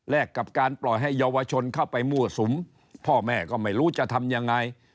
กับการปล่อยให้เยาวชนเข้าไปมั่วสุมพ่อแม่ก็ไม่รู้จะทำยังไง